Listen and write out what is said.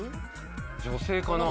女性かな？